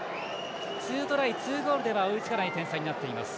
２トライ２ゴールでは追いつかない点差になっています。